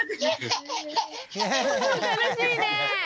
楽しいね。